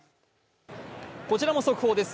こちらも速報です